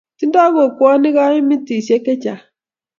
tingdoi kokwoni keimeteswek chechang'